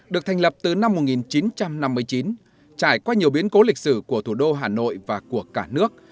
được thành lập từ năm một nghìn chín trăm năm mươi chín trải qua nhiều biến cố lịch sử của thủ đô hà nội và của cả nước